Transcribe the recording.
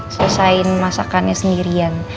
selesain masakannya sendirian